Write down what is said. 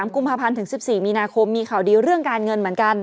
กุมภาพันธ์ถึง๑๔มีนาคมมีข่าวดีเรื่องการเงินเหมือนกัน